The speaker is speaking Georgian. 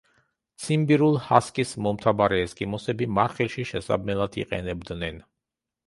ციმბირულ ჰასკის მომთაბარე ესკიმოსები მარხილში შესაბმელად იყენებდნენ.